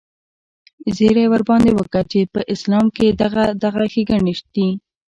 زيرى ورباندې وکه چې په اسلام کښې دغه دغه ښېګڼې دي.